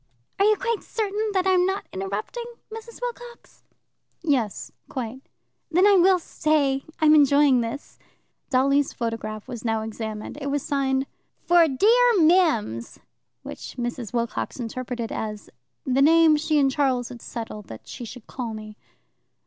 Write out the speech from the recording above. "Are you quite certain that I'm not interrupting, Mrs. Wilcox?" "Yes, quite." "Then I will stay. I'm enjoying this." Dolly's photograph was now examined. It was signed "For dear Mims," which Mrs. Wilcox interpreted as "the name she and Charles had settled that she should call me."